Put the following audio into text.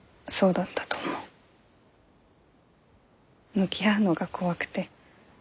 向き合うのが怖くて。